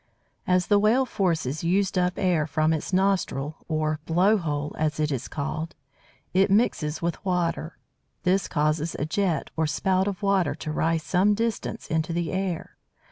As the Whale forces used up air from its nostril or "blow hole," as it is called it mixes with water; this causes a jet or spout of water to rise some distance into the air.